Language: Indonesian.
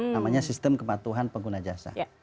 namanya sistem kepatuhan pengguna jasa